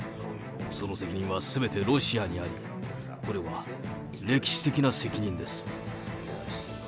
その責任はすべてロシアにあり、これは歴史的な責任です。